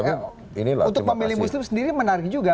untuk pemilih muslim sendiri menarik juga